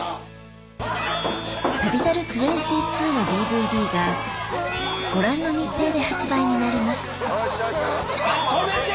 『旅猿２２』のＤＶＤがご覧の日程で発売になります止めて！